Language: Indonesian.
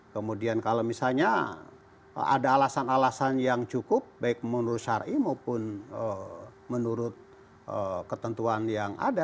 kemudian kalau misalnya ada alasan alasan yang cukup baik menurut ⁇ syari maupun menurut ketentuan yang ada